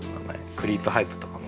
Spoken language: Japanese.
クリープハイプとかも。